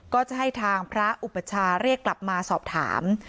ก็จะให้ทางพระอุปชาเรียกกลับมาสอบถาม